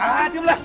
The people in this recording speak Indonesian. ah diam lah